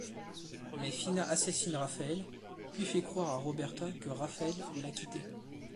Mais Fina assassine Rafael puis fait croire à Roberta que Rafael l'a quittée.